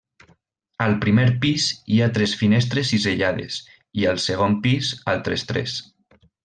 Al primer pis hi ha tres finestres cisellades i al segon pis altres tres.